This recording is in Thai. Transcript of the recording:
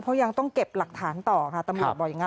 เพราะยังต้องเก็บหลักฐานต่อค่ะตำรวจบอกอย่างนั้น